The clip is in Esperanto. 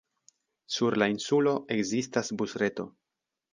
Sur la insulo ekzistas busreto.